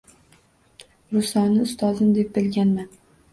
Russoni ustozim deb bilganman.